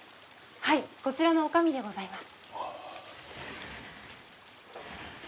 はいこちらの女将でございます。